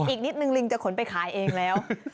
อีกนิดนึงลิงจะขนไปขายเองแล้ว